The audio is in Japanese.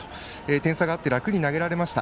点差があって楽に投げられました。